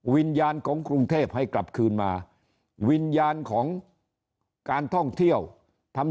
วิญญาณของกรุงเทพให้กลับคืนมาวิญญาณของการท่องเที่ยวทำ